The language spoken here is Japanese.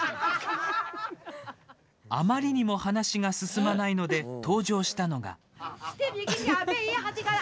あまりにも話が進まないので登場したのが。